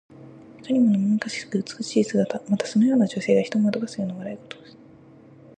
いかにもなまめかしく美しい姿。また、そのような女性が人を惑わすような、笑いこびるしぐさをすることにもいう。